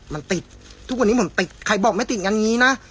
มันติดทุกวันนี้ผมติดใครบอกไม่ติดงั้นอย่างนี้นะ